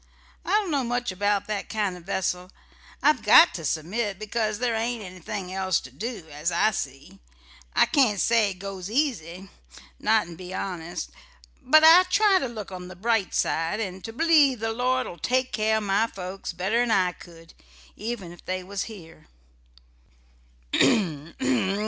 I don't know much about that kind o' vessel. I've got to submit because there ain't anything else to do, as I see. I can't say it goes easy not'n' be honest; but I try to look on the bright side, and to believe the Lord'll take care of my folks better'n I could, even if they was here."